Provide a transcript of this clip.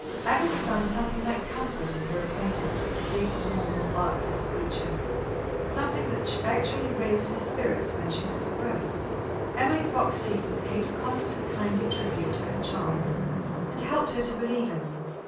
Agatha found something like comfort in her acquaintance with the big, normal, artless creature something which actually raised her spirits when she was depressed. Emily Fox Seton paid constant kindly tribute to her charms, and helped her to believe in them.